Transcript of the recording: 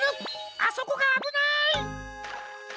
あそこがあぶない！